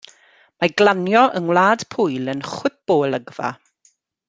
Mae glanio yng ngwlad Pwyl yn chwip o olygfa.